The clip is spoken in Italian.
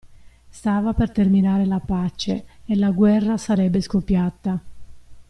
Stava per terminare la pace, e la guerra sarebbe scoppiata.